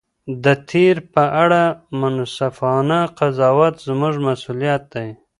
د تېر په اړه منصفانه قضاوت زموږ مسؤلیت دی.